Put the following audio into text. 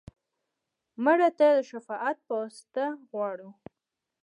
مړه ته د شفاعت واسطه غواړو